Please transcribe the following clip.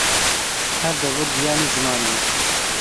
Her devok, giyanê zimanî ye.